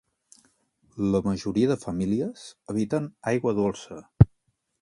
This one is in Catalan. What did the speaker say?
La majoria de famílies habiten aigua dolça.